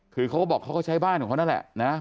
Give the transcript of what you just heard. คือเขาก็บอกเขาก็ใช้บ้านของเขานั่นแหละนะ